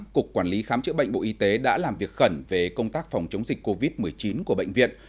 cục quản lý khám chữa bệnh bộ y tế đã làm việc khẩn về công tác phòng chống dịch covid một mươi chín của bệnh viện